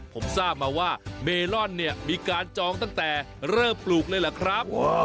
ผมทราบมาว่าเมลอนเนี่ยมีการจองตั้งแต่เริ่มปลูกเลยเหรอครับ